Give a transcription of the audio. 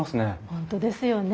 本当ですよね。